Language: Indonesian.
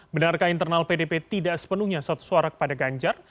benarkah internal pdp tidak sepenuhnya satu suara kepada ganjar